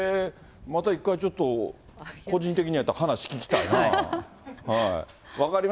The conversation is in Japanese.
また一回ちょっと、個人的に会って、話聞きたいなぁ。